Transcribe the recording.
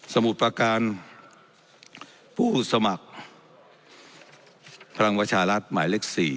มุดประการผู้สมัครพลังประชารัฐหมายเลข๔